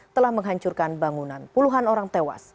telah menghancurkan bangunan puluhan orang tewas